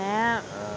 うん。